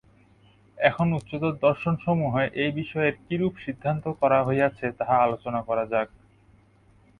এখন উচ্চতর দর্শনসমূহে এই বিষয়ের কিরূপ সিদ্ধান্ত করা হইয়াছে, তাহা আলোচনা করা যাক।